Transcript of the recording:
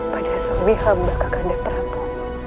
pada suami hamba kakanda prabu